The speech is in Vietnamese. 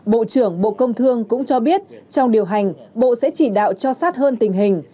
bộ trưởng bộ công thương cũng cho biết trong điều hành bộ sẽ chỉ đạo cho sát hơn tình hình